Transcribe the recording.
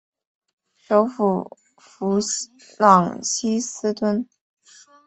首府弗朗西斯敦。